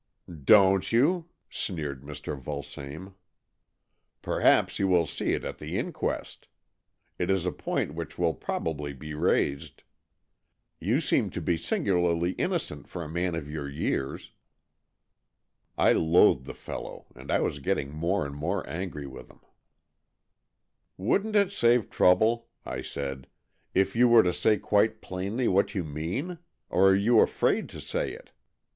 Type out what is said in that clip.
"Don't you?" sneered Mr. Vulsame. " Perhaps you will see it at the inquest. It is a point which will probably be raised. You seem to be singularly innocent for a man of your years." I loathed the fellow, and I was getting more and more angry with him. " Wouldn't it save trouble," I said, "if you were to say quite plainly what you mean? Or are you afraid to say it?